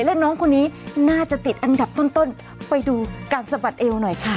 และน้องคนนี้น่าจะติดอันดับต้นไปดูการสะบัดเอวหน่อยค่ะ